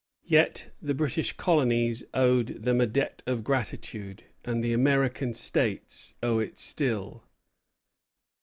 Yet the British colonies owed them a debt of gratitude, and the American States owe it still.